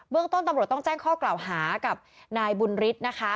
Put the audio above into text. เรื่องต้นตำรวจต้องแจ้งข้อกล่าวหากับนายบุญฤทธิ์นะคะ